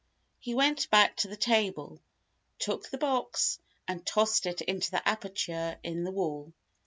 He went back to the table, took the box, and tossed it into the aperture in the wall.